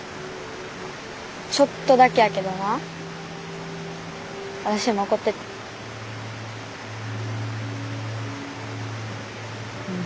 ちょっとだけやけどな私も怒っててん。